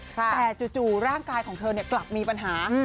แต่จู่ร่างกายของเธอกลับมีปัญหา